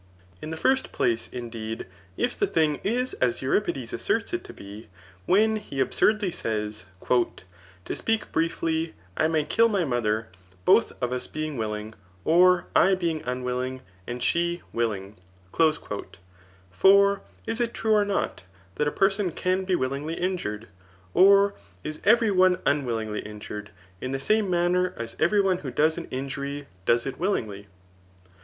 In the first place, indeed; if the thing is as Euripides asserts it to be, when he absurdly says, To speak briefly I may kill my mother, both of us being will ing ; or I being unwilling, and she willing/* For is rt true or not, that a person can be willingly injured ?, Or is every one unwillingly injured, in the same manner as every one who does an injury does it willingly?